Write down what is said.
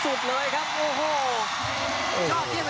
สุดเลยครับโอ้โห